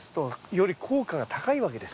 より効果が高いわけです。